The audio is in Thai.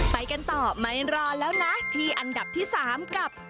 ไปกันต่อไม่รอแล้วนะที่อันดับที่๓กับ